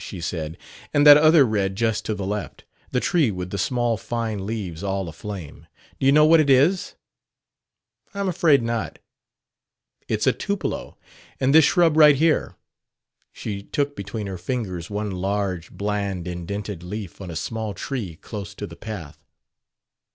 she said; "and that other red just to the left the tree with the small, fine leaves all aflame. Do you know what it is?" "I'm afraid not." "It's a tupelo. And this shrub, right here?" She took between her fingers one large, bland indented leaf on a small tree close to the path.